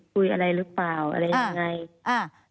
คุยอะไรหรือเปล่าอะไรยังไงอ่า